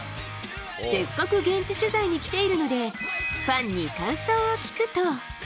せっかく現地取材に来ているので、ファンに感想を聞くと。